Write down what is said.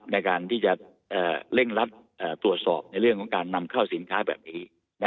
ในการที่จะเร่งรัดตรวจสอบในเรื่องของการนำเข้าสินค้าแบบนี้